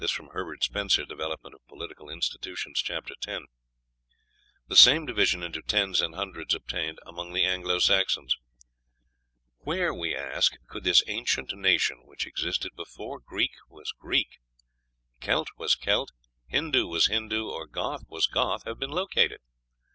(Herbert Spencer, "Development of Political Institutions," chap. x.) The same division into tens and hundreds obtained among the Anglo Saxons. Where, we ask, could this ancient nation, which existed before Greek was Greek, Celt was Celt, Hindoo was Hindoo, or Goth was Goth, have been located!